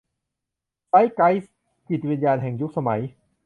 ไซท์ไกสท์ - จิตวิญญาณแห่งยุคสมัย